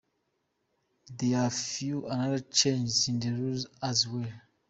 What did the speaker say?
There are a few other changes in the rules, as well.